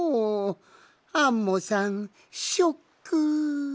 アンモさんショック。